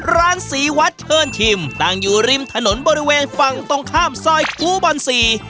ร้านศรีวัดเชิญชิมตั้งอยู่ริมถนนบริเวณฝั่งตรงข้ามซอยครูบอลสี่